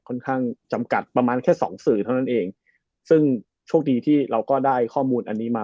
ค่อนข้างจำกัดประมาณแค่สองสื่อเท่านั้นเองซึ่งโชคดีที่เราก็ได้ข้อมูลอันนี้มา